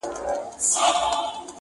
دا له کومو جنتونو یې راغلی -